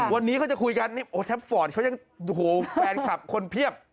วันนี้เขาจะคุยกันนี่โอ้แท็บฟอร์ตเขายังโอ้โหแฟนคลับคนเพียบ